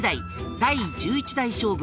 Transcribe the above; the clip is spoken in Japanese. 第１１代将軍